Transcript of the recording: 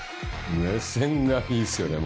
目線がいいですよね